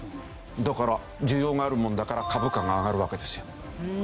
だから需要があるもんだから株価が上がるわけですよ。